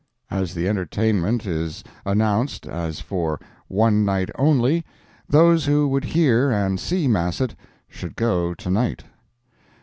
As the entertainment is announced as for "one night only," those who would hear and see Massett, should go to night.